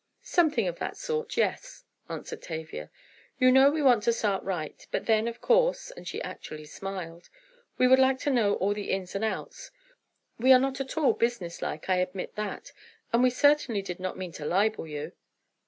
"Something of that sort—yes," answered Tavia. "You know we want to start right. But then, of course," and she actually smiled, "we would like to know all the ins and outs. We are not at all business like—I admit that—and we certainly did not mean to libel you."